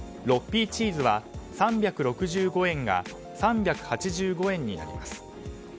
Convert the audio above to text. ６Ｐチーズは３６５円が３８５円になります。